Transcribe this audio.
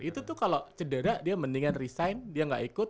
itu tuh kalau cedera dia mendingan resign dia nggak ikut